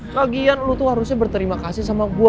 kak gian lo tuh harusnya berterima kasih sama gue